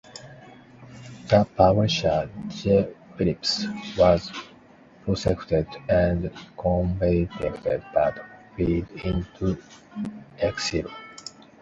The publisher, J. Phillips, was prosecuted and convicted but fled into exile.